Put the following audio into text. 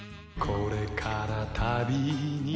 「これから旅に」